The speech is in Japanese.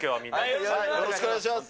よろしくお願いします。